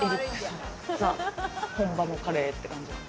本場のカレーって感じ。